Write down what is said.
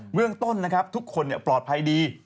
เมื่องต้นทุกคนปลอดภัยดี